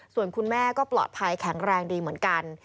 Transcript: ส่วนคุณแม่ก็ปลอดภัยแข็งแรงดีเหมือนกัน